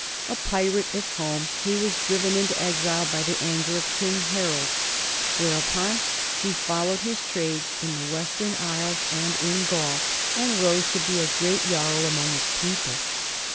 A pirate at home, he was driven into exile by the anger of King Harold, whereupon he followed his trade in the Western Isles and in Gaul, and rose to be a great Jarl among his people.